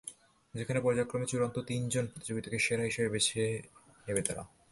যেখানে পর্যায়ক্রমে চূড়ান্ত তিন জন প্রতিযোগীকে সেরা হিসেবে বেছে নেবে তারা।